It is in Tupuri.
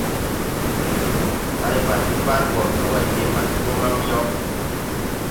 Hay ba sɛ bar bɔ, nɔga je ma sɛ bɔ mban yaw.